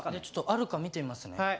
ちょっとあるか見てみますね。